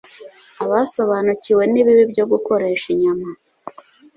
Abasobanukiwe n’ibibi byo gukoresha inyama,